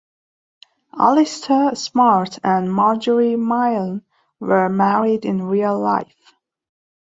Alister Smart and Margery Milne were married in real life.